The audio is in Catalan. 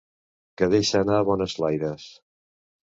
Que deixa anar bons flaires.